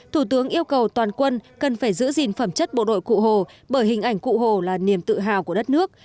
thủ tướng yêu cầu toàn quân cần phải giữ gìn phẩm chất bộ đội cụ hồ bởi hình ảnh cụ hồ là niềm tự hào của đất nước